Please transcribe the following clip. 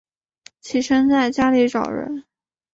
起身在家里找人